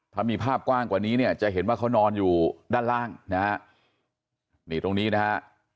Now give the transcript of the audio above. ถ้ามีภาพกว้างกว่านี้เนี่ยจะเห็นว่าเขานอนอยู่ด้านล่างนะฮะนี่ตรงนี้นะฮะ